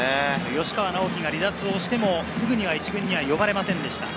吉川尚輝が離脱しても、すぐには１軍には呼ばれませんでした。